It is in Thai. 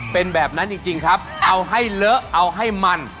เป็นแบบนั้นจริงครับเอาให้เลอะเอาให้มัน